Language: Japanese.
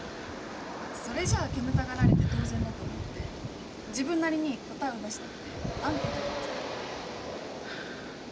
それじゃ煙たがられて当然だと思って自分なりに答えを出したくてアンケート取ってたの。